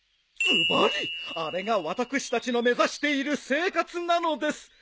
ズバリあれが私たちの目指している生活なのです。